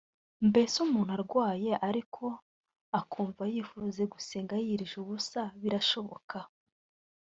Mbese umuntu arwaye ariko akumva yifuje gusenga yiyirije ubusa birashoboka